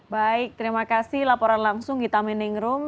baik terima kasih laporan langsung gita meningrum